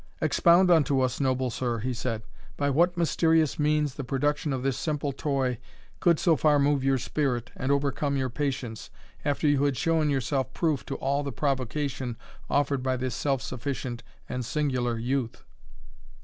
"Expound unto us, noble sir," he said, "by what mysterious means the production of this simple toy could so far move your spirit, and overcome your patience, after you had shown yourself proof to all the provocation offered by this self sufficient and singular youth?"